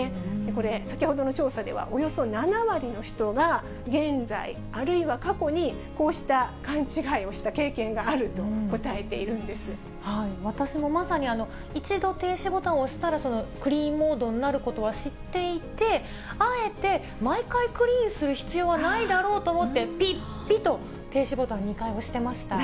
これ、先ほどの調査では、およそ７割の人が、現在、あるいは過去にこうした勘違いをした経私もまさに、一度停止ボタンを押したら、クリーンモードになることは知っていて、あえて毎回クリーンする必要はないだろうと思って、ぴっぴっと停止ボタン、２回押してました。